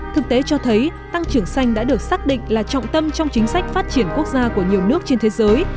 thực tế cho thấy tăng trưởng xanh đã được xác định là trọng tâm trong chính sách phát triển quốc gia của nhiều nước trên thế giới